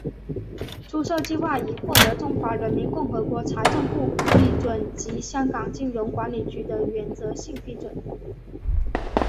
出售计划已获得中华人民共和国财政部批准及香港金融管理局的原则性批准。